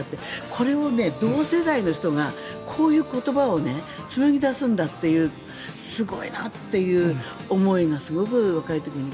これも同世代の人がこういう言葉を紡ぎ出すんだというすごいなという思いがすごく若い時に。